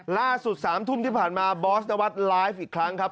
ล่าสุด๓ทุ่มที่ผ่านมาบอสนวัฒน์ไลฟ์อีกครั้งครับ